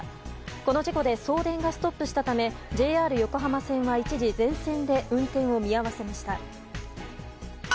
この事故で送電がストップしたためＪＲ横浜線は一時全線で運転を見合わせました。